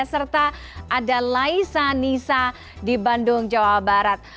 serta ada laisa nisa di bandung jawa barat